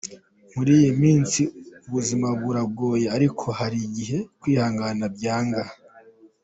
Muri iyi minsi ubuzima buragoye ariko hari igihe kwihangana byanga.